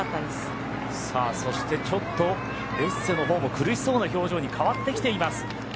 そしてデッセのほうも苦しそうな表情に変わってきています。